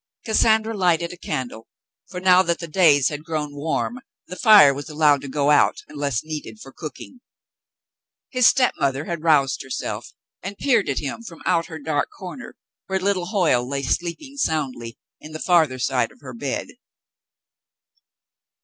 Cassandra lighted a candle, for now that the days had grown warm, the fire was allowed to go out unless needed for cooking. His step mother had roused herself and peered at him from out her dark corner, where little Hoyle lay sleeping soundly in the farther side of her bed.